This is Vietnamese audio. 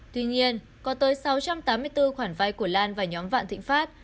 tuy nhiên có tới sáu trăm tám mươi bốn khoản vay của lan và nhóm vạn thịnh pháp